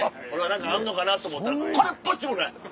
何かあんのかなと思ったらこれっぽっちもない！